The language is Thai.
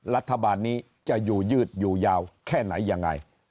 รัฐบาลนี้จะอยู่ยืดอยู่ยาวแค่ไหนยังไง